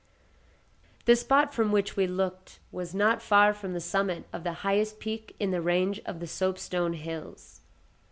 The spot from which we looked was not far from the summit of the highest peak in the range of the soapstone hills.